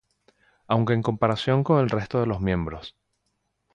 Aunque en comparación con el resto de los miembros.